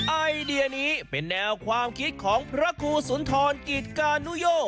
ไอเดียนี้เป็นแนวความคิดของพระครูสุนทรกิจกานุโย